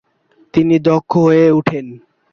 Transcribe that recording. তিনি দক্ষ হয়ে উঠেন।